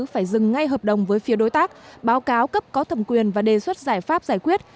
phải dừng ngay hợp đồng với phía đối tác báo cáo cấp có thẩm quyền và đề xuất giải pháp giải quyết